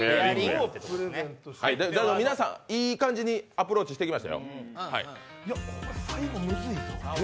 皆さんいい感じにアプローチしてきましたよ。